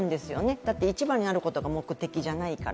だって一番になることが目的じゃないから。